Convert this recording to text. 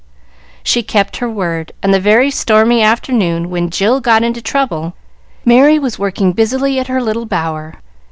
She kept her word, and the very stormy afternoon when Jill got into trouble, Merry was working busily at her little bower.